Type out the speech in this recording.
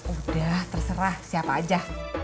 udah terserah siapa aja